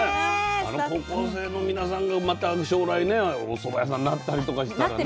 あの高校生の皆さんがまた将来ねおそば屋さんになったりとかしたらね。